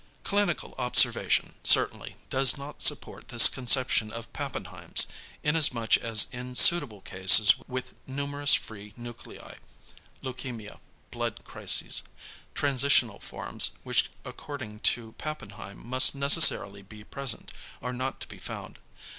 Clinical observation, certainly, does not support this conception of Pappenheim's; in as much as in suitable cases with numerous free nuclei (leukæmia, blood crises) transitional forms, which according to Pappenheim must necessarily be present, are not to be found.